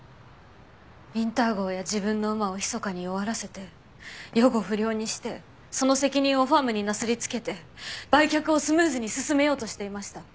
ウィンター号や自分の馬をひそかに弱らせて予後不良にしてその責任をファームになすりつけて売却をスムーズに進めようとしていました。